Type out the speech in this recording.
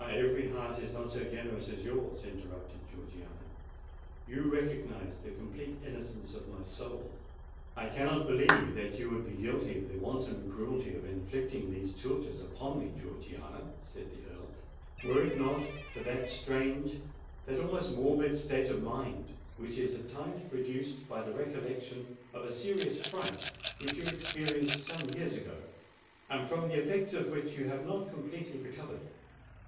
every heart is not so generous as yours!" interrupted Georgiana. "You recognise the complete innocence of my soul——" "I cannot believe that you would be guilty of the wanton cruelty of inflicting these tortures upon me, Georgiana," said the Earl, "were it not for that strange—that almost morbid state of mind which is at times produced by the recollection of a serious fright which you experienced some years ago, and from the effects of which you have not completely recovered.